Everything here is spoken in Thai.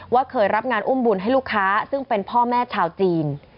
เคยรับงานอุ้มบุญให้ลูกค้าซึ่งเป็นพ่อแม่ชาวจีน